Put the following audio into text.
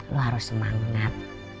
lo harus semangat